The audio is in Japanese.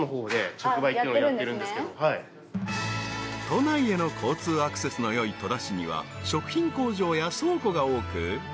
［都内への交通アクセスのよい戸田市には食品工場や倉庫が多く］